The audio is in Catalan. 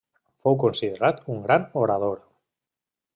Fou considerat un gran orador.